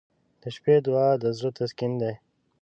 • د شپې دعا د زړه تسکین دی.